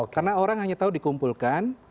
karena orang hanya tahu dikumpulkan